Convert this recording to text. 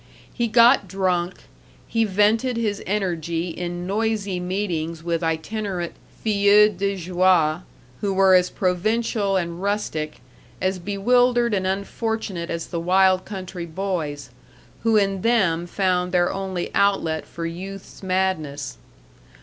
He got drunk, he vented his energy in noisy meetings with itinerant filles de joie, who were as provincial and rustic, as bewildered and unfortunate as the wild country boys, who in them found their only outlet for youth's madness.